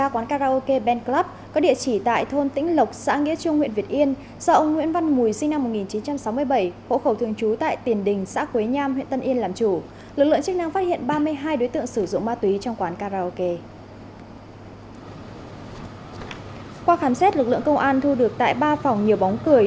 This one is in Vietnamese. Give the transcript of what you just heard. qua khám xét lực lượng công an thu được tại ba phòng nhiều bóng cười